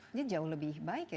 ini jauh lebih baik ya